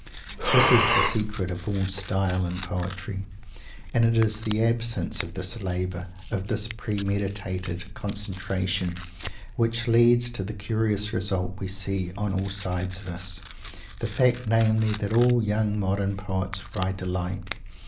This is the secret of all "style" in poetry. And it is the absence of this labour, of this premeditated concentration, which leads to the curious result we see on all sides of us, the fact, namely, that all young modern poets _write alike.